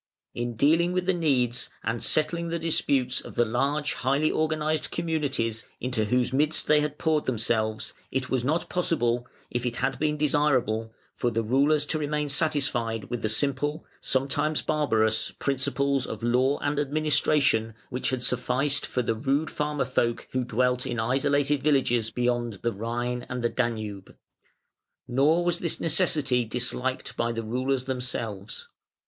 In dealing with the needs and settling the disputes of the large, highly organised communities, into whose midst they had poured themselves, it was not possible, if it had been desirable, for the rulers to remain satisfied with the simple, sometimes barbarous, principles of law and administration which had sufficed for the rude farmer folk who dwelt in isolated villages beyond the Rhine and the Danube. Nor was this necessity disliked by the rulers themselves.